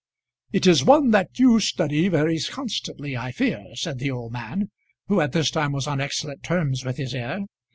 "It is one that you study very constantly, I fear," said the old man, who at this time was on excellent terms with his heir.